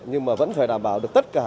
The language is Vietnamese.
nhưng mà vẫn phải đảm bảo được tất cả